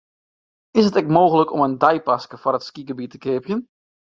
It is ek mooglik om in deipaske foar it skygebiet te keapjen.